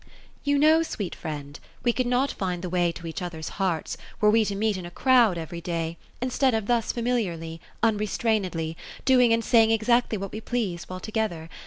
'* You know, sweet friend, we could not find the way to each other's hearts, were we to meet in a crowd every day, instead of thus familiarly, unrestrainedly, doing and saying exactly what we please, while together.